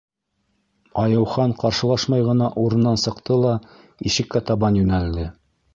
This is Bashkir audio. Айыухан ҡаршылашмай ғына урынынан сыҡты ла ишеккә табан йүнәлде.